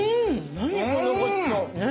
何このごちそう。ね！